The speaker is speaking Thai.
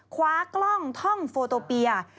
คว้ากล้องท่องโฟโตเปีย